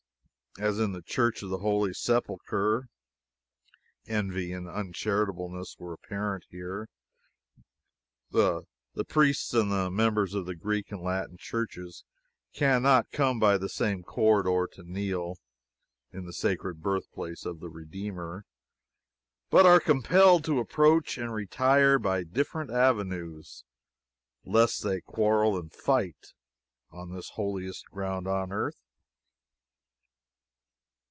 As in the Church of the Holy Sepulchre, envy and uncharitableness were apparent here. The priests and the members of the Greek and Latin churches can not come by the same corridor to kneel in the sacred birthplace of the Redeemer, but are compelled to approach and retire by different avenues, lest they quarrel and fight on this holiest ground on earth.